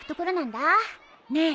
ねえ。